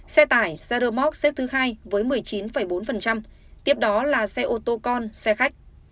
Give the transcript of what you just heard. xe tải xe rơ móc xếp thứ hai với một mươi chín bốn tiếp đó là xe ô tô con xe khách